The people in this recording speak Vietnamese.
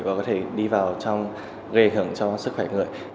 và có thể đi vào trong gây ảnh hưởng cho sức khỏe người